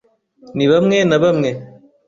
ni bamwe na bamwe